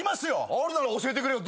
あるなら教えてくれよ。